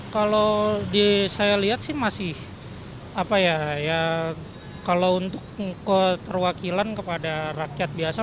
kalau saya lihat sih masih apa ya kalau untuk keterwakilan kepada rakyat biasa